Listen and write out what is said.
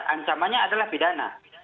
ancamannya adalah pidana